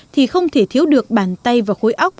thì không thể thiếu được bàn tay và khối óc